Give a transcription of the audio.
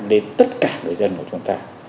đến tất cả người dân của chúng ta